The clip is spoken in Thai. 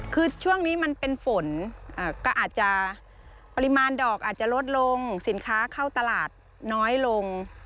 คือช่วงนี้มันเป็นฝนก็อาจจะปริมาณดอกอาจจะลดลงสินค้าเข้าตลาดน้อยลง